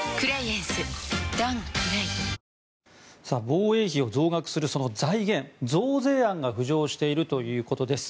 防衛費を増額するその財源増税案が浮上しているということです。